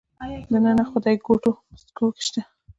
د ننه خدایګوټې په سکو کې شته